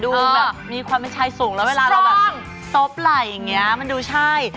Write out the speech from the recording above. ดูแบบมีความเป็นชายสูงแล้วเวลาเราแบบซบไหล่อย่างนี้มันดูใช่